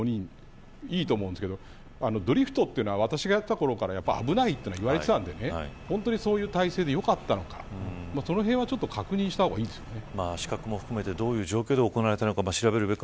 通常だったら２人に対して５人でいいと思うんですけどドリフトって私がいたころから危ないと言われていたんで本当にそういう体制でよかったのかそのへんは確認した方がいいですね。